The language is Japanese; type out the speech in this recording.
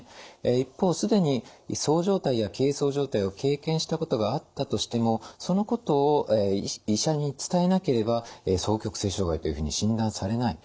一方既にそう状態や軽そう状態を経験したことがあったとしてもそのことを医者に伝えなければ双極性障害というふうに診断されない。